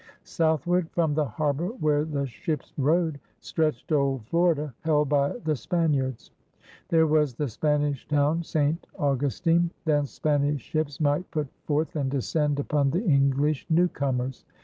Southward from the harbor where the ships rode, stretched old Florida, held by the Span iards. There was the Spanish town, St, Augustine. Thence Spanish ships might put forth and descend upon the English newcomers.